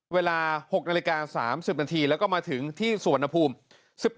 เวลา๖นาฬิกา๓๐นาทีแล้วก็มาถึงที่สุวรรณภูมิ